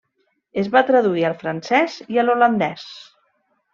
Es va traduir al francès i a l'holandès.